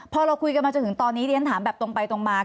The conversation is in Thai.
พอเราคุยกันมาจนถึงตอนนี้เรียนถามแบบตรงไปตรงมา